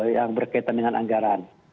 yang berkaitan dengan anggaran